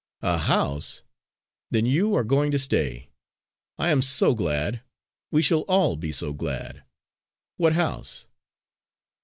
"A house! Then you are going to stay! I am so glad! we shall all be so glad. What house?"